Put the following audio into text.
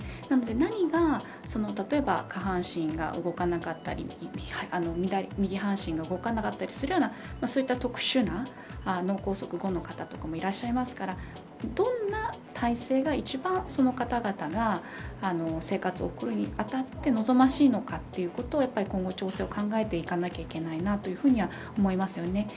なので、何が例えば下半身が動かなかったり右半身が動かなかったりするようなそういった特殊な、脳梗塞後の方などいらっしゃいますからどんな体制が一番その方々が生活を送るにあたって望ましいのかということを今後、考えていかなければいけないなと思いますよね。